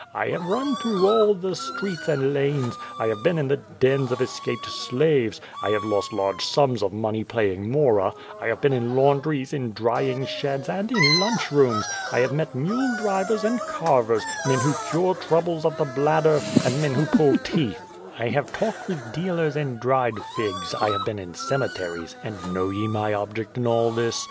I have run through all the streets and lanes; I have been in the dens of escaped slaves; I have lost large sums of money playing mora; I have been in laundries, in drying sheds, and in lunch rooms; I have met mule drivers and carvers, men who cure troubles of the bladder, and men who pull teeth/' '^I have talked with dealers in dried figs; I have been in cem eteries; and know ye my object in all this?